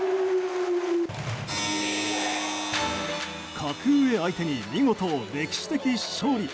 格上相手に見事歴史的勝利。